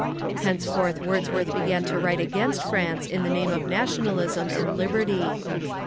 Henceforth Wordsworth began to write against France in the name of Nationalism and Liberty.